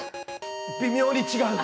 ◆微妙に違う。